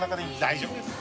・大丈夫です。